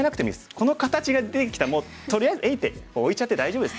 この形が出てきたらもうとりあえず「えいっ！」って置いちゃって大丈夫です。